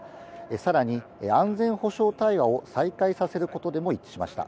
さらに安全保障対話を再開させることでも一致しました。